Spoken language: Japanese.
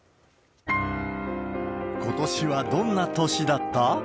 ことしはどんな年だった？